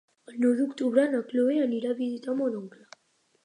El nou d'octubre na Chloé anirà a visitar mon oncle.